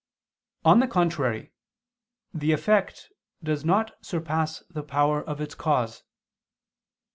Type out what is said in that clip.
On the contrary, The effect does not surpass the power of its cause.